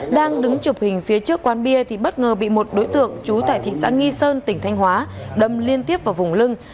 đang đứng chụp hình phía trước quán bia thì bất ngờ bị một đối tượng trú tại thị xã nghi sơn tỉnh thanh hóa đâm liên tiếp vào vùng lưng